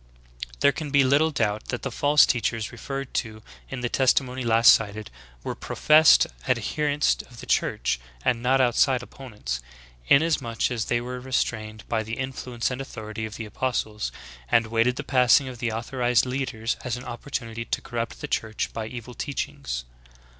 "'' 18. There can be little doubt that the false teachers re ferred to in the testim.ony last cited, were professed adher ents of the Church, and not outside opponents, inasmuch as they were restrained by the influence and authority of the apostles, and waited the passing of the authorized leaders as an opportunity to corrupt the Church by evil teachings.